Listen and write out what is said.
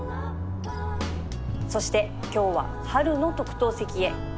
そして今日は春の特等席へ